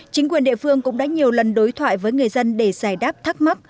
chính quyền địa phương cũng đã nhiều lần đối thoại với người dân để giải đáp thắc mắc